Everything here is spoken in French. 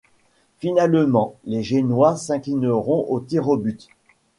Finalement les Génois s'inclineront aux tirs aux buts.